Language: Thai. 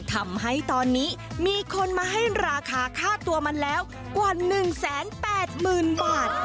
ผมให้ตอนนี้มีคนมาให้ราคาค่าตัวมันแล้วกว่า๑แสน๘หมื่นบาท